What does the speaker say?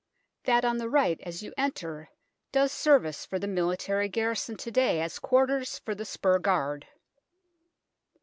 That on the right as you enter does service for the military garrison to day as quarters for the spur guard.